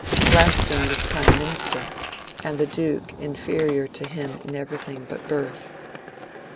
'' Gladstone was Prime Minister, and the duke inferior to him in everything but birth.